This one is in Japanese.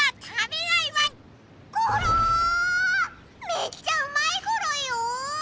めっちゃうまいゴロよ？